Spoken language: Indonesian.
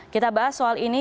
kita bahas soal ini